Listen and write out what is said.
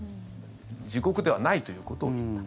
自国ではないということを言った。